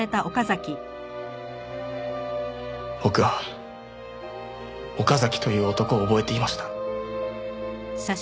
僕は岡崎という男を覚えていました。